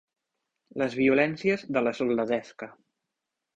Les violències de la soldadesca.